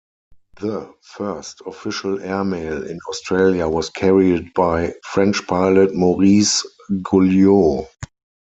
The first official air mail in Australia was carried by French pilot Maurice Guillaux.